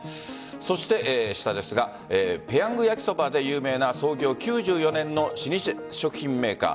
そして下ですがペヤングやきそばで有名な創業９４年の老舗食品メーカー。